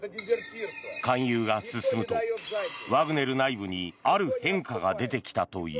勧誘が進むと、ワグネル内部にある変化が出てきたという。